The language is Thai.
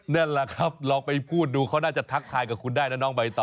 นั่นแหละครับลองไปพูดดูเขาน่าจะทักทายกับคุณได้นะน้องใบตอ